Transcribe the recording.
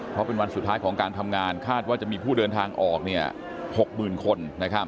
เพราะเป็นวันสุดท้ายของการทำงานคาดว่าจะมีผู้เดินทางออก๖๐๐๐คน